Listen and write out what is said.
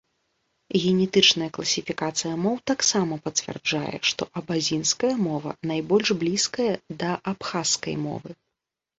Генетычная класіфікацыя моў таксама пацвярджае, што абазінская мова найбольш блізкая да абхазскай мовы.